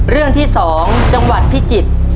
เรื่องที่๒จังหวัดพิจิตร